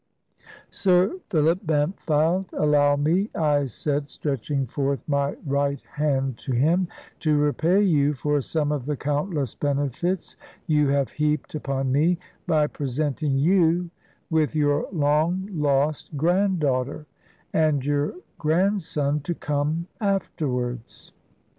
"Sir Philip Bampfylde, allow me," I said, stretching forth my right hand to him, "to repay you for some of the countless benefits you have heaped upon me, by presenting you with your long lost granddaughter and your grandson to come afterwards."